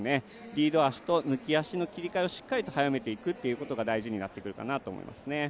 リード足と抜き足の切り替えをしっかりと速めていくことが大事になってくるかなと思いますね。